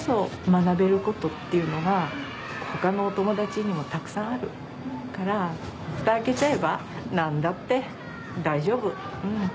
学べることっていうのが他のお友達にもたくさんあるからふた開けちゃえば何だって大丈夫うん。